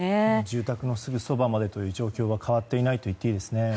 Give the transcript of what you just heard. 住宅のすぐそばまでという状況は変わっていないですね。